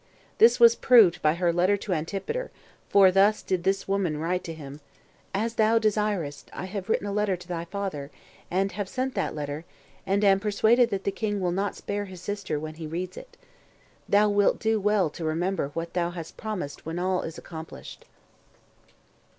This was proved by her letter to Antipater, for thus did this woman write to him: "As thou desirest, I have written a letter to thy father, and have sent that letter, and am persuaded that the king will not spare his sister when he reads it. Thou wilt do well to remember what thou hast promised when all is accomplished."